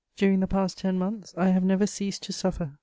_ "During the past ten months I have never ceased to suffer.